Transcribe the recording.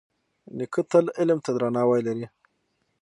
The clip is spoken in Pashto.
نیکه تل علم ته درناوی لري.